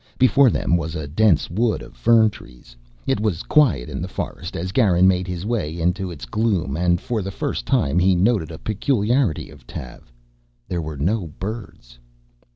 Before them was a dense wood of fern trees. It was quiet in the forest as Garin made his way into its gloom and for the first time he noted a peculiarity of Tav. There were no birds.